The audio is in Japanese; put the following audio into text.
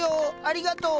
ありがとう。